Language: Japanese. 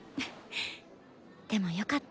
でもよかった。